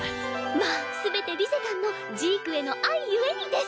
まあ全てリゼたんのジークへの愛ゆえにです！